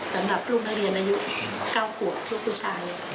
สำหรับลูกนักเรียนอายุ๙ขวบลูกผู้ชาย